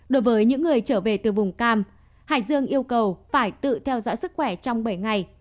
đối với những người trở về từ vùng cam hải dương yêu cầu phải tự theo dõi sức khỏe trong bảy ngày